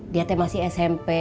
dia masih smp